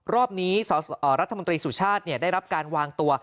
รอบนี้รัฐมนตรีสุชาติได้รับการวางตัว